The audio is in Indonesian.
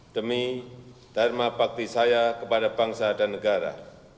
demi dharma bakti saya kepada bangsa dan negara